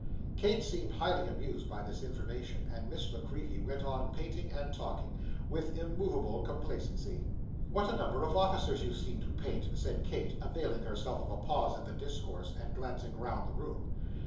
Kate seemed highly amused by this information, and Miss La Creevy went on painting and talking, with immovable complacency. 'What a number of officers you seem to paint!' said Kate, availing herself of a pause in the discourse, and glancing round the room.